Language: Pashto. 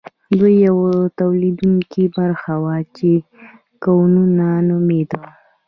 دوی یوه تولیدونکې برخه وه چې کولون نومیدل.